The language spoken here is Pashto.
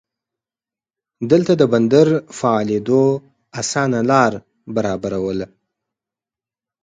دلته د بندر فعالېدو اسانه لار برابرواله.